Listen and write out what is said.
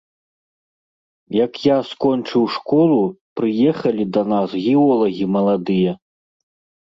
Як я скончыў школу, прыехалі да нас геолагі маладыя.